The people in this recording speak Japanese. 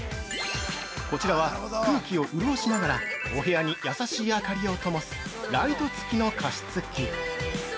◆こちらは、空気を潤しながらお部屋に優しい明かりをともす、ライト付きの加湿器。